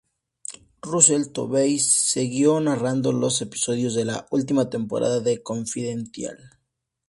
Russell Tovey siguió narrando los episodios de la última temporada de "Confidential".